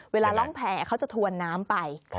เวลาล่องแพลเขาจะถวนน้ำไป